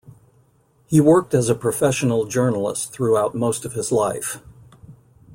He worked as a professional journalist throughout most of his life.